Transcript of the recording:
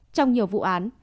trong nhiều vụ án